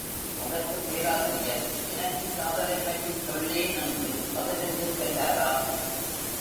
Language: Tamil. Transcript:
அதற்குப் பேராசிரியர், எனக்குக் காதலைப் பற்றிச் சொல்லேன் என்று பதிலுக்குக் கேட்டாராம்.